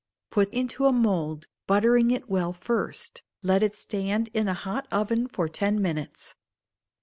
Put into a mould, buttering it well first: let it stand in a hot oven for ten minutes.